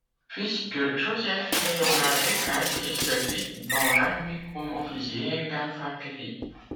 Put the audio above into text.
Fils de Joseph-Léonard Decazes, il servit dans l'armée comme officier d'infanterie.